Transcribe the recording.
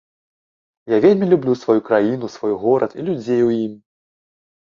Я вельмі люблю сваю краіну, свой горад і людзей у ім.